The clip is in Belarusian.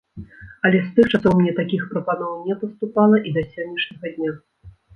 Але з тых часоў мне такіх прапаноў не паступала і да сённяшняга дня.